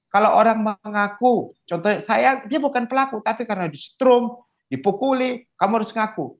kalau orang mengaku contoh saya dia bukan pelaku tapi karena di strum dipukuli kamu harus ngaku